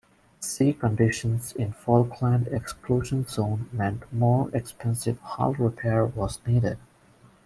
Sea conditions in the Falkland exclusion zone meant more expensive hull repair was needed.